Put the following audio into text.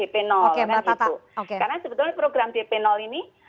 karena sebetulnya program dp ini